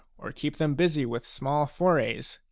or keep them busy with small forays.